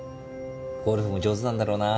ゴルフも上手なんだろうなあ。